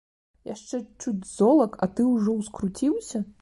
Яшчэ чуць золак, а ты ўжо ўскруціўся?